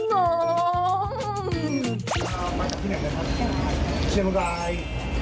เรามาจากที่ไหนเลยครับเชียวบรรยายครับเชียวบรรยาย